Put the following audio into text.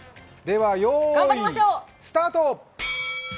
では用意スタート！